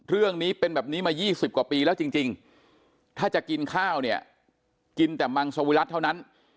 เรื่องนี้เป็นแบบนี้มา๒๐กว่าปีแล้วจริงถ้าจะกินข้าวเนี่ยกินแต่มังสวิรัติเท่านั้น